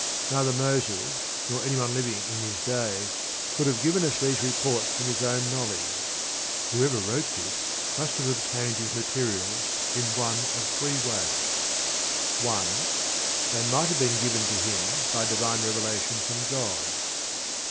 Neither Moses nor any one living in his day could have given us these reports from his own knowledge. Whoever wrote this must have obtained his materials in one of three ways: 1. They might have been given to him by divine revelation from God.